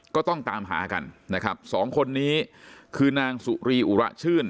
ก็ต้องตามหากันนะครับสองคนนี้คือนางสุรีอุระชื่น